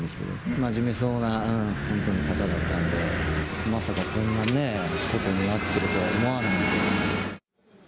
真面目そうな、そういう方だったので、まさかこんなね、こんなことになっているとは思わないです。